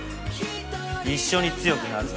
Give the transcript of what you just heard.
一緒に強くなるぞ。